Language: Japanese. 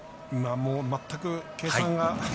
全く計算が。